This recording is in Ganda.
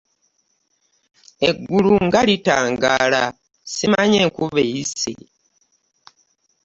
Eggulu nga litangaala, simanya enkuba eyise?